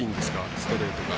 ストレートが。